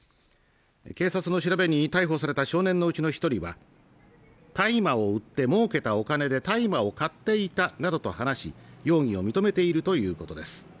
警察の調べに逮捕された少年のうちの一人は大麻を売って儲けたお金で大麻を買っていたなどと話し容疑を認めているということです